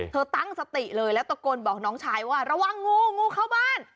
ตั้งสติเลยแล้วตะโกนบอกน้องชายว่าระวังงูงูเข้าบ้าน